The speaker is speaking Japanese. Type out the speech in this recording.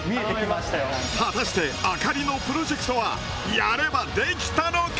果たしてあかりのプロジェクトはやればできたのか！？